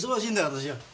私は。